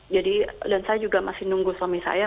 jadi dan saya juga masih nunggu suami saya